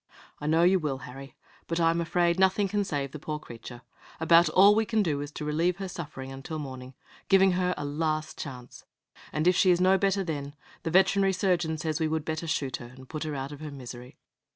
"I know you will, Harry; but I am afraid nothing can save the poor creature. About all we can do is to relieve her suffering until morning, giving her a last chance; and if she is no better then, the veterinary surgeon says we would better shoot her, and put her out of her misery."